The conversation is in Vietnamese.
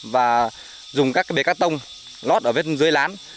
và dùng các cái bề cát tông lót ở bên dưới lán